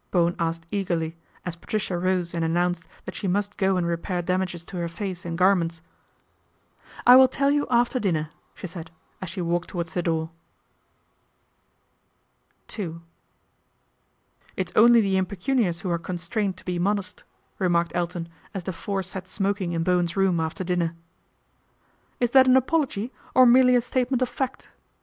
Bowen asked eagerly, as Patricia rose and announced that she must go and repair damages to her face and gar ments. " I will tell you after dinner," she said as she walked towards the door. II ' It is only the impecunious who are constrained to be modest," remarked Elton as the four sat smoking in Bowen's room after dinner. " Is that an apology, or merely a statement of fact